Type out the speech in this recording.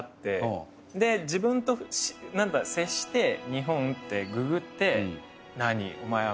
で自分と接して「日本」ってググって。